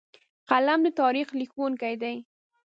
قلم د تاریخ لیکونکی دی